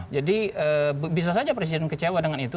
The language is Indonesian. jadi bisa saja presiden kecewa dengan itu